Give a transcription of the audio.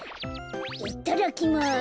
いただきます。